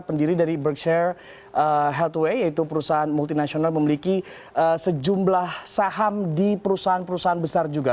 pendiri dari birger headway yaitu perusahaan multinasional memiliki sejumlah saham di perusahaan perusahaan besar juga